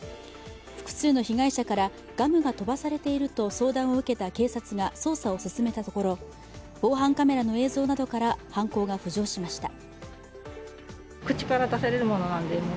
複数の被害者から、ガムが飛ばされていると相談を受けた警察が捜査を進めたところ、防犯カメラの映像などから犯行が浮上しました。